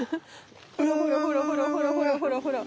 ほらほらほらほらほらほらほらほら。